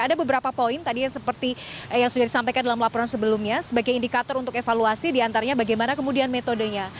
ada beberapa poin tadi yang seperti yang sudah disampaikan dalam laporan sebelumnya sebagai indikator untuk evaluasi diantaranya bagaimana kemudian metodenya